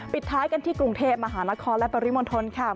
ปิดท้ายกันที่กรุงเทพมหานครและปริมณฑลค่ะ